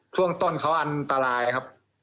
ช่วงต้นเขาอันตรายครับ